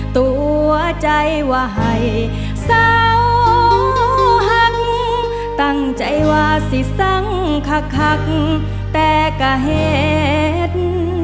ตัวใจว่าให้สาวหันตั้งใจว่าสิสังคักแต่ก็เห็น